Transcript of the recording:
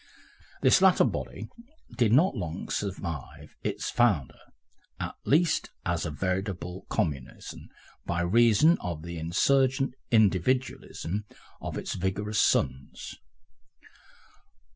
This latter body did not long survive its founder, at least as a veritable communism, by reason of the insurgent individualism of its vigorous sons.